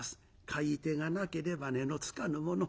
買い手がなければ値のつかぬもの。